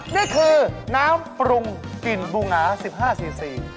นี่คือน้ำปรุงกลิ่นบูหงา๑๕ซีซี